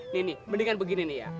ini nih mendingan begini nih ya